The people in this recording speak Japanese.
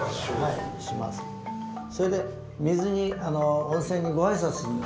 それで水に温泉にご挨拶。